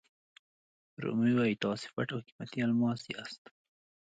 رومي وایي تاسو پټ او قیمتي الماس یاست.